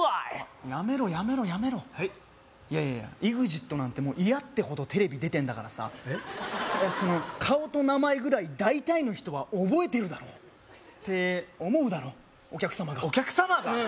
いやいやいやＥＸＩＴなんてもう嫌ってほどテレビ出てんだからさその顔と名前ぐらい大体の人は覚えてるだろって思うだろお客様がお客様が？